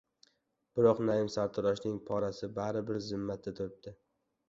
Biroq Naim sartaroshning porasi bari bir zimmamda turibdi.